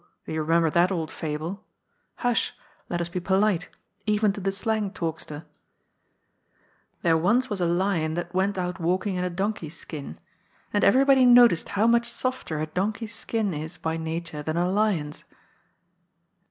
do you remember that old fable ?— hush I let us be polite, eyen to the slang talkster: ^* There once was a lion that went out walking in a donkey skin* And eyerybody noticed how much softer a donkey's skin is by nature than a lion's."